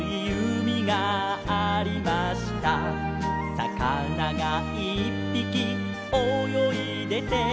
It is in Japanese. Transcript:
「さかながいっぴきおよいでて」